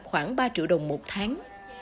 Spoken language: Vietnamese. khoảng ba triệu đồng một tháng